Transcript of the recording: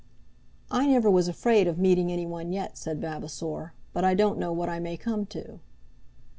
"I never was afraid of meeting anyone yet," said Vavasor; "but I don't know what I may come to."